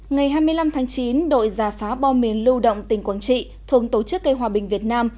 ngày hai mươi năm tháng chín đội giả phá bom mìn lưu động tỉnh quảng trị thuộc tổ chức cây hòa bình việt nam